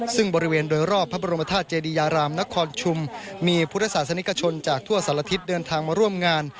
ซึ่งบริเวณโดยรอบพระบรมธาตุเจดียารามนครชุมมีพุทธศาสนิกชนจากทั่วสารทิศเดินทางมาร่วมงาน